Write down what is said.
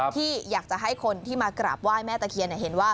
ที่อยากจะให้คนที่มากราบไหว้แม่ตะเคียนเห็นว่า